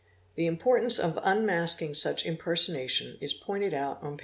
The importance of unmasking such imperso nation is pointed out on p.